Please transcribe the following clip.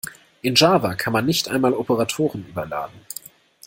In Java kann man nicht einmal Operatoren überladen.